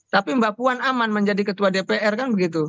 tapi mbak puan aman menjadi ketua dpr kan begitu